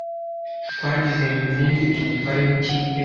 Twagize Mivumbi umutware wikipe.